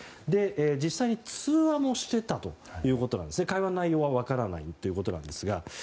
実際に通話もしてたということで会話の内容は分からないということですが。